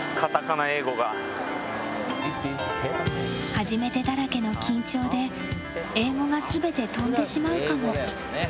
初めてだらけの緊張で英語が全て飛んでしまうかも。